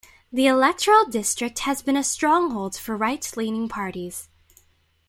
The electoral district has been a stronghold for right leaning parties.